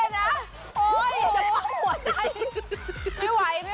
ท่านี้อย่าล้มหัวใจ